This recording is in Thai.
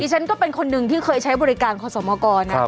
อี๋ฉันก็เป็นคนนึงที่เคยใช้บริการขสมกร